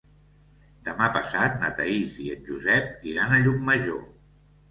Demà passat na Thaís i en Josep iran a Llucmajor.